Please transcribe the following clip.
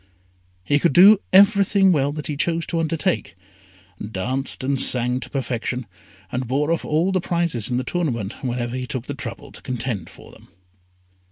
He could do everything well that he chose to undertake danced and sang to perfection, and bore off all the prizes in the tournament whenever he took the trouble to contend for them.